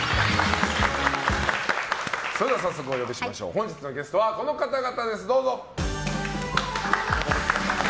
本日のゲストはこの方々です。